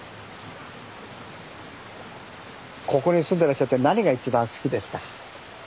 ここに住んでらっしゃって何が一番好きですか？